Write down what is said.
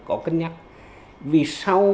có cân nhắc vì sau